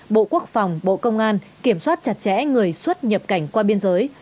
một mươi bộ quốc phòng bộ công an kiểm soát chặt chẽ người xuất nhập cảnh qua biên giới